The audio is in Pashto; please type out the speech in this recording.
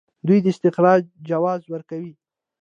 دوی د استخراج جواز ورکوي.